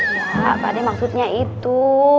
iya pak dea maksudnya itu